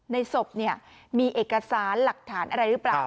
ในศพมีเอกสารหลักฐานอะไรหรือเปล่า